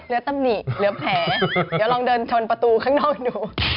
ตำหนิเหลือแผลเดี๋ยวลองเดินชนประตูข้างนอกดู